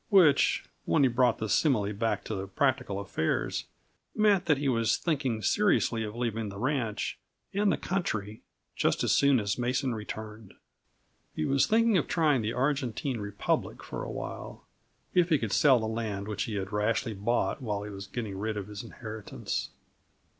Which, when he brought the simile back to practical affairs, meant that he was thinking seriously of leaving the ranch and the country just as soon as Mason returned. He was thinking of trying the Argentine Republic for awhile, if he could sell the land which he had rashly bought while he was getting rid of his inheritance.